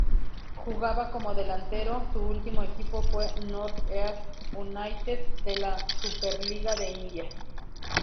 Jugaba como delantero, su ultimo equipo fue NorthEast United de la Superliga de India.